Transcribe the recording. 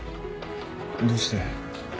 どうして？